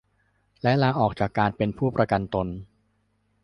และลาออกจากการเป็นผู้ประกันตน